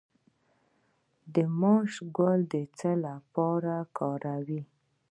د ماش ګل د څه لپاره وکاروم؟